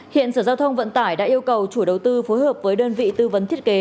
hiện sở giao thông vận tải đã yêu cầu chủ đầu tư phối hợp với đơn vị tư vấn thiết kế